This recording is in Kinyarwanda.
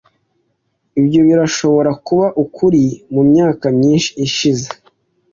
Ibyo birashobora kuba ukuri mumyaka myinshi ishize .